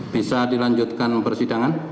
bisa dilanjutkan persidangan